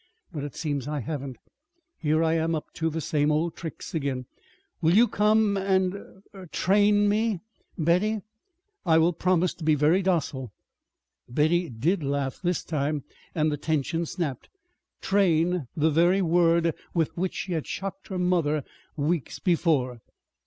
But it seems I haven't. Here I am up to the same old tricks again. Will you come and er train me, Betty? I will promise to be very docile." Betty did laugh this time and the tension snapped. "Train" the very word with which she had shocked her mother weeks before!